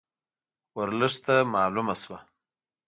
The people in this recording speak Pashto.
ورلسټ ته معلومه شوه.